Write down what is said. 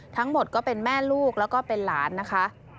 ทั้งหมดก็เป็นแม่ลูกแล้วก็เป็นหลานนะคะ